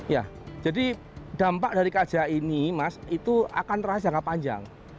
ya jadi dampak dari kj ini mas itu akan terasa jangka panjang